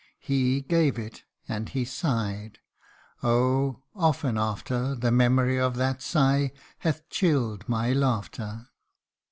He gave it, and he sighed : oh ! often after The memory of that sigh hath chilTd my laughter.